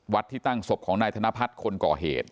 ที่ตั้งศพของนายธนพัฒน์คนก่อเหตุ